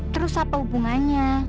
terus apa hubungannya